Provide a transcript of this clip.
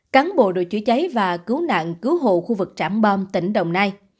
cáng bộ đội chữa cháy và cứu nạn cứu hộ khu vực trảm bom tỉnh đồng nai